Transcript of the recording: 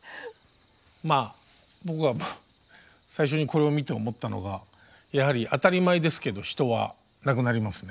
まあ僕は最初にこれを見て思ったのがやはり当たり前ですけど人は亡くなりますね。